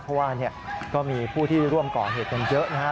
เพราะว่าก็มีผู้ที่ร่วมก่อเหตุกันเยอะนะฮะ